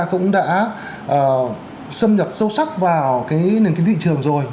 cũng đã xâm nhập sâu sắc vào cái nền kinh thị trường rồi